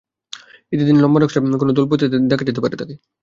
ঈদের দিন লম্বা নকশার কোনো দুল পরতে দেখা যেতে পারে তাঁকে।